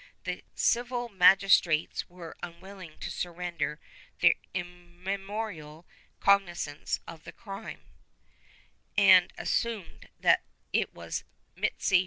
The civil magis trates were unwilling to surrender their immemorial cognizance of the crime, and assumed that it was mixti fori, leading to fre 1 Bibl.